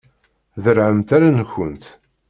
Derrɛemt allen-nkent.